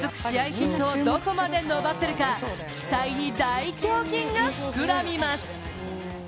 ヒットをどこまで伸ばせるか、期待に大胸筋が膨らみます。